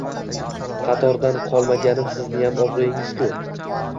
Qatordan qolmaganim sizniyam obroʻyingiz-ku